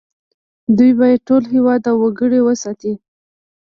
دوی باید ټول هېواد او وګړي وستايي